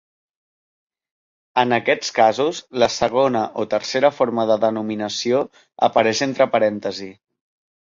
En aquests casos, la segona o tercera forma de denominació apareix entre parèntesis.